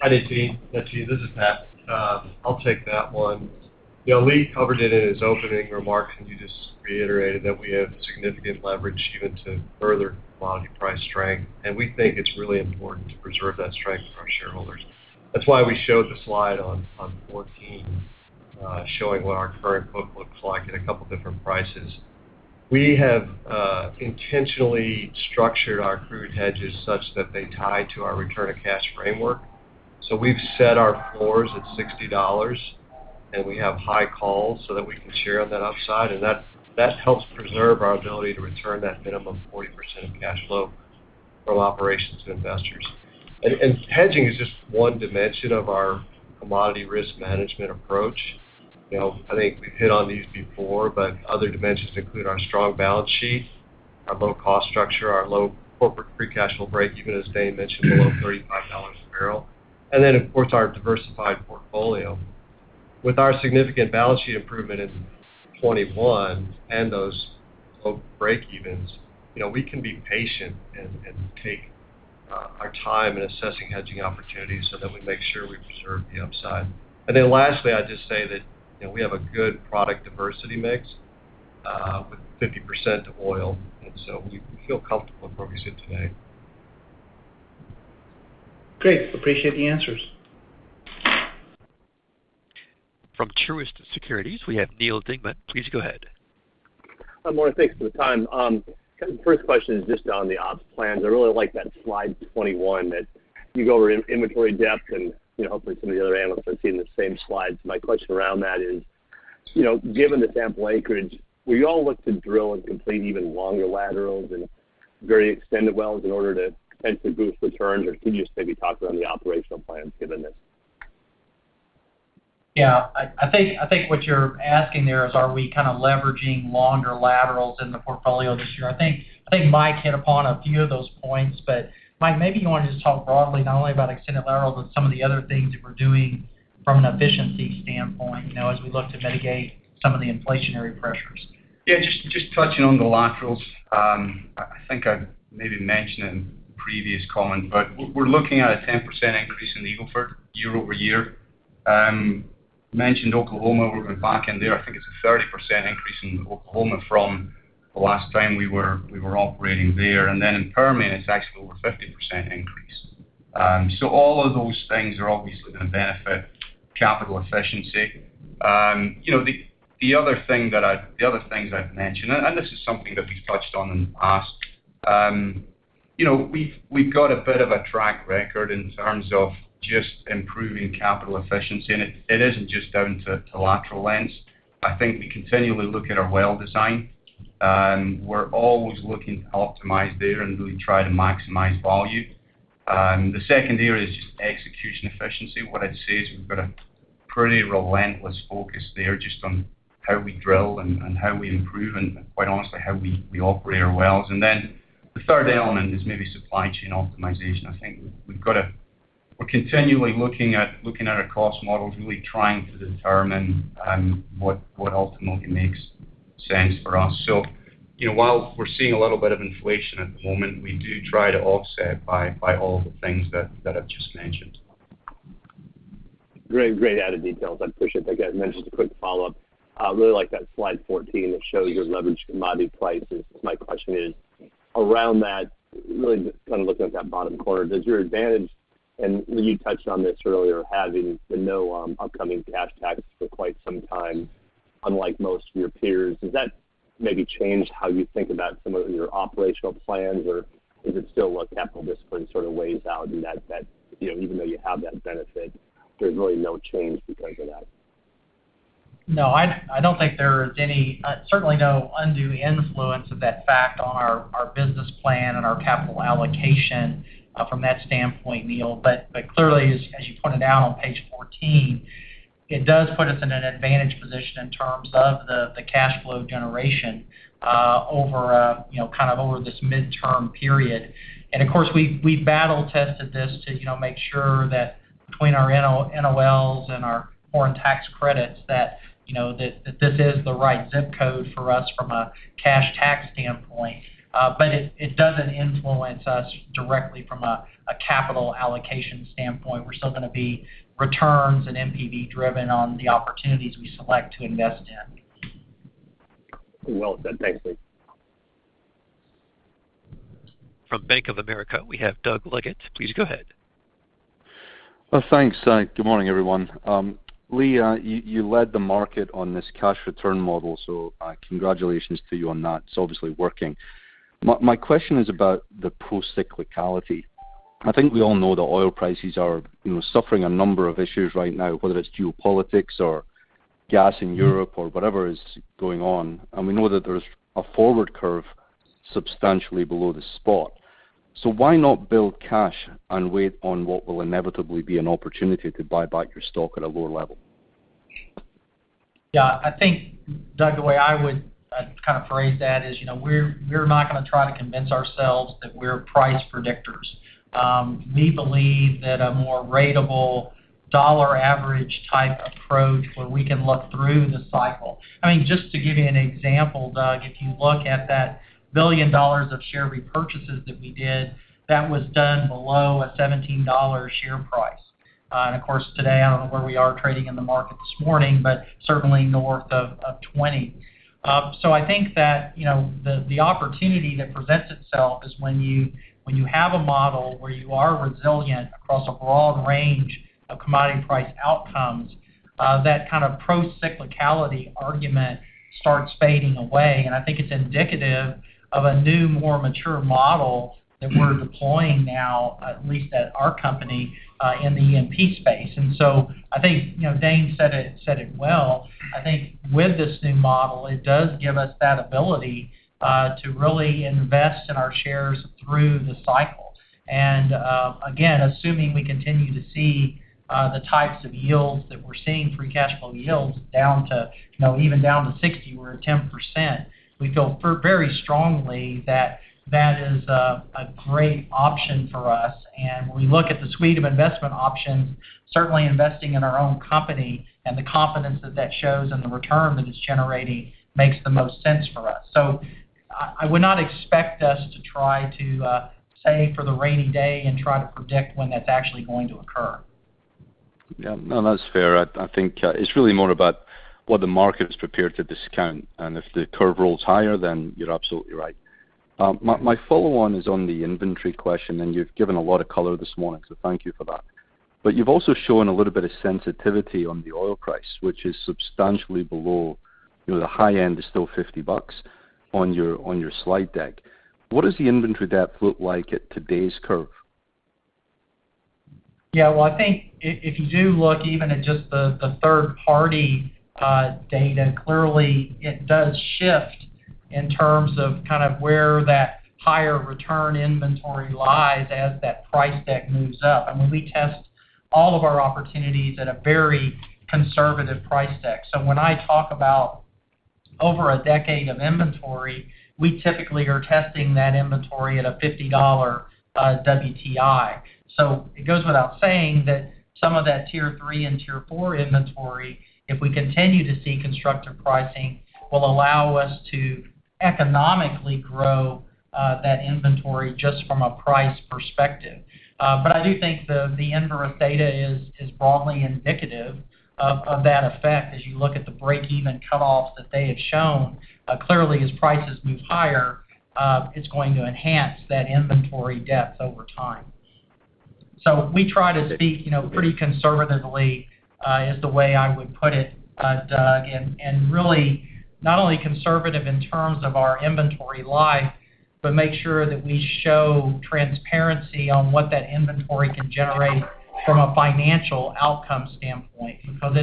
Hi, Nitin. This is Pat. I'll take that one. You know, Lee covered it in his opening remarks, and he just reiterated that we have significant leverage even to further commodity price strength, and we think it's really important to preserve that strength for our shareholders. That's why we showed the slide on 14, showing what our current book looks like at a couple different prices. We have intentionally structured our crude hedges such that they tie to our return of capital framework. We've set our floors at $60, and we have high calls so that we can share in that upside, and that helps preserve our ability to return that minimum 40% of cash flow from operations to investors. Hedging is just one dimension of our commodity risk management approach. You know, I think we've hit on these before, but other dimensions include our strong balance sheet, our low cost structure, our low corporate free cash flow break even, as Dane mentioned, below $35 a barrel, and then, of course, our diversified portfolio. With our significant balance sheet improvement in 2021 and those low breakevens, you know, we can be patient and take our time in assessing hedging opportunities so that we make sure we preserve the upside. Then lastly, I'd just say that, you know, we have a good product diversity mix with 50% oil, and so we feel comfortable in where we sit today. Great. Appreciate the answers. From Truist Securities, we have Neal Dingmann. Please go ahead. Hi, morning. Thanks for the time. First question is just on the ops plans. I really like that slide 21 that you go over inventory depth and, you know, hopefully some of the other analysts are seeing the same slides. My question around that is, you know, given the sample acreage, will you all look to drill and complete even longer laterals and very extended wells in order to intend to boost returns, or can you just maybe talk about the operational plans given this? Yeah. I think what you're asking there is, are we kind of leveraging longer laterals in the portfolio this year? I think Mike hit upon a few of those points. Mike, maybe you want to just talk broadly not only about extended laterals, but some of the other things that we're doing from an efficiency standpoint, you know, as we look to mitigate some of the inflationary pressures. Yeah. Just touching on the laterals. I think I maybe mentioned in a previous comment, but we're looking at a 10% increase in the Eagle Ford year-over-year. Mentioned Oklahoma, we're going back in there. I think it's a 30% increase in Oklahoma from the last time we were operating there. Then in Permian, it's actually over 50% increase. All of those things are obviously gonna benefit capital efficiency. You know, the other things I'd mention, and this is something that we've touched on in the past. You know, we've got a bit of a track record in terms of just improving capital efficiency, and it isn't just down to lateral lengths. I think we continually look at our well design. We're always looking to optimize there and really try to maximize value. The second area is just execution efficiency. What I'd say is we've got a pretty relentless focus there just on how we drill and how we improve and quite honestly, how we operate our wells. The third element is maybe supply chain optimization. I think we're continually looking at our cost models, really trying to determine what ultimately makes sense for us. You know, while we're seeing a little bit of inflation at the moment, we do try to offset by all the things that I've just mentioned. Great. Great added details. I appreciate that. Just a quick follow-up. I really like that slide 14 that shows your leveraged commodity prices. My question is around that, really just kind of looking at that bottom corner. Does your advantage, and you touched on this earlier, having no upcoming cash taxes for quite some time, unlike most of your peers, has that maybe changed how you think about some of your operational plans, or is it still what capital discipline sort of weighs out in that you know, even though you have that benefit, there's really no change because of that? No, I don't think there's any certainly no undue influence of that fact on our business plan and our capital allocation from that standpoint, Neal. Clearly, as you pointed out on page 14, it does put us in an advantaged position in terms of the cash flow generation over you know kind of over this midterm period. Of course, we've battle tested this to you know make sure that between our NOLs and our foreign tax credits that you know that this is the right zip code for us from a cash tax standpoint. It doesn't influence us directly from a capital allocation standpoint. We're still gonna be returns and NPV driven on the opportunities we select to invest in. Well said. Thanks, Lee. From Bank of America, we have Doug Leggate. Please go ahead. Well, thanks. Good morning, everyone. Lee, you led the market on this cash return model, so congratulations to you on that. It's obviously working. My question is about the pro-cyclicality. I think we all know that oil prices are suffering a number of issues right now, whether it's geopolitics or gas in Europe or whatever is going on. We know that there's a forward curve substantially below the spot. Why not build cash and wait on what will inevitably be an opportunity to buy back your stock at a lower level? Yeah, I think, Doug, the way I would kind of phrase that is, you know, we're not gonna try to convince ourselves that we're price predictors. We believe that a more ratable dollar average type approach where we can look through the cycle. I mean, just to give you an example, Doug, if you look at that $1 billion of share repurchases that we did, that was done below a $17 share price. Of course, today, I don't know where we are trading in the market this morning, but certainly north of 20. I think that, you know, the opportunity that presents itself is when you have a model where you are resilient across a broad range of commodity price outcomes, that kind of pro-cyclicality argument starts fading away. I think it's indicative of a new, more mature model that we're deploying now, at least at our company, in the E&P space. I think, you know, Dane said it well. I think with this new model, it does give us that ability to really invest in our shares through the cycle. Again, assuming we continue to see the types of yields that we're seeing, free cash flow yields down to, you know, even down to 6%, we're at 10%, we feel very strongly that that is a great option for us. When we look at the suite of investment options, certainly investing in our own company and the confidence that that shows and the return that it's generating makes the most sense for us. I would not expect us to try to save for the rainy day and try to predict when that's actually going to occur. Yeah. No, that's fair. I think it's really more about what the market is prepared to discount, and if the curve rolls higher, then you're absolutely right. My follow-on is on the inventory question, and you've given a lot of color this morning, so thank you for that. But you've also shown a little bit of sensitivity on the oil price, which is substantially below, you know, the high end is still $50 on your slide deck. What does the inventory depth look like at today's curve? Yeah. Well, I think if you do look even at just the third-party data, clearly it does shift in terms of kind of where that higher return inventory lies as that price deck moves up. I mean, we test all of our opportunities at a very conservative price deck. When I talk about over a decade of inventory, we typically are testing that inventory at a $50 WTI. It goes without saying that some of that Tier 3 and Tier 4 inventory, if we continue to see constructive pricing, will allow us to economically grow that inventory just from a price perspective. But I do think the Enverus data is broadly indicative of that effect as you look at the break even cutoffs that they have shown. Clearly as prices move higher, it's going to enhance that inventory depth over time. We try to speak, you know, pretty conservatively, is the way I would put it, Doug, and really not only conservative in terms of our inventory life, but make sure that we show transparency on what that inventory can generate from a financial outcome standpoint. Because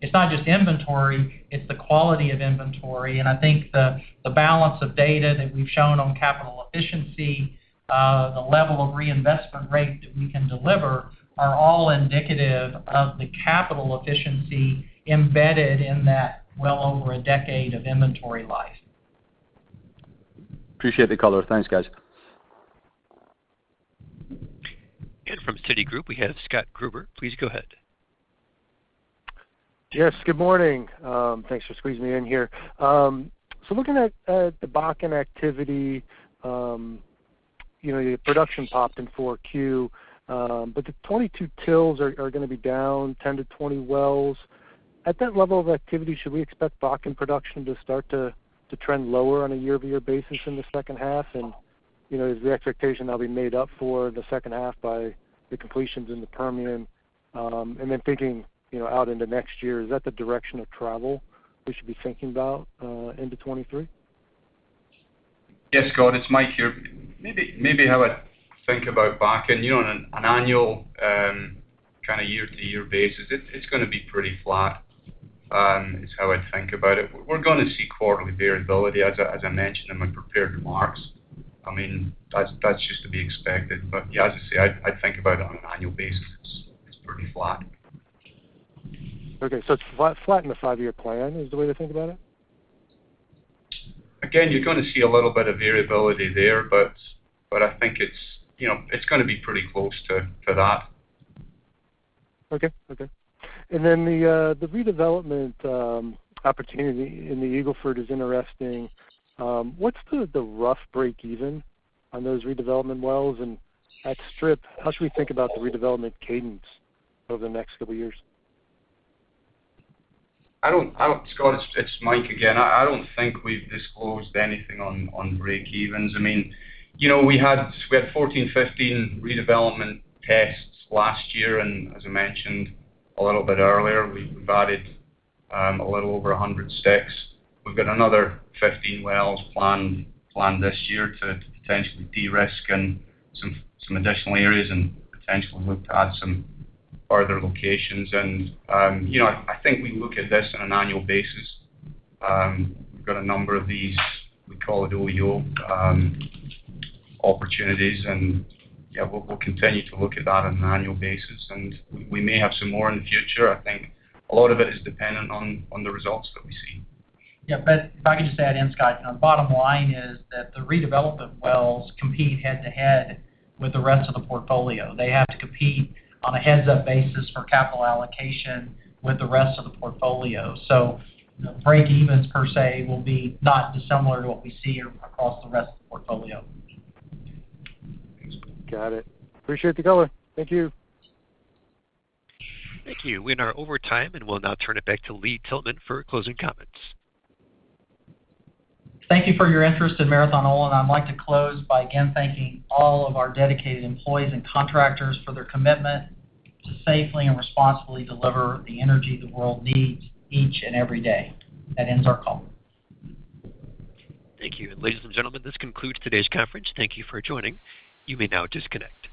it's not just inventory, it's the quality of inventory. I think the balance of data that we've shown on capital efficiency, the level of reinvestment rate that we can deliver are all indicative of the capital efficiency embedded in that well over a decade of inventory life. Appreciate the color. Thanks, guys. From Citigroup, we have Scott Gruber. Please go ahead. Yes, good morning. Thanks for squeezing me in here. So looking at the Bakken activity, you know, your production popped in Q4. But the 22 wells are gonna be down 10 to 20 wells. At that level of activity, should we expect Bakken production to start to trend lower on a year-over-year basis in the second half? You know, is the expectation that'll be made up for the second half by the completions in the Permian? Then thinking, you know, out into next year, is that the direction of travel we should be thinking about into 2023? Yes, Scott, it's Mike here. Maybe how I think about Bakken, you know, on an annual, kind of year-to-year basis, it's gonna be pretty flat, is how I'd think about it. We're gonna see quarterly variability as I mentioned in my prepared remarks. I mean, that's just to be expected. Yeah, as I say, I'd think about it on an annual basis. It's pretty flat. Okay. It's flat in the five-year plan is the way to think about it? Again, you're gonna see a little bit of variability there, but I think it's, you know, it's gonna be pretty close to that. Okay. Okay. The redevelopment opportunity in the Eagle Ford is interesting. What's the rough breakeven on those redevelopment wells? And at strip, how should we think about the redevelopment cadence over the next couple years? I don't, Scott, it's Mike again. I don't think we've disclosed anything on breakevens. I mean, you know, we had 14, 15 redevelopment tests last year, and as I mentioned a little bit earlier, we've added a little over 100 stacks. We've got another 15 wells planned this year to potentially de-risk in some additional areas and potentially look to add some further locations. You know, I think we look at this on an annual basis. We've got a number of these, we call it OEO, opportunities, and yeah, we'll continue to look at that on an annual basis. We may have some more in the future. I think a lot of it is dependent on the results that we see. Yeah. If I could just add in, Scott, the bottom line is that the redevelopment wells compete head-to-head with the rest of the portfolio. They have to compete on a heads-up basis for capital allocation with the rest of the portfolio. The breakevens per se will be not dissimilar to what we see across the rest of the portfolio. Got it. Appreciate the color. Thank you. Thank you. We are over time, and we'll now turn it back to Lee Tillman for closing comments. Thank you for your interest in Marathon Oil, and I'd like to close by again thanking all of our dedicated employees and contractors for their commitment to safely and responsibly deliver the energy the world needs each and every day. That ends our call. Thank you. Ladies and gentlemen, this concludes today's conference. Thank you for joining. You may now disconnect.